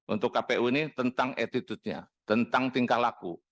untuk kpu ini tentang attitude nya tentang tingkah laku